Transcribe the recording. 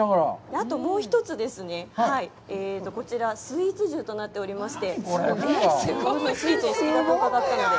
あと、もう一つですね、こちら、スイーツ重となっておりまして、スイーツがお好きと伺ったので。